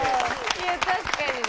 いや確かにね。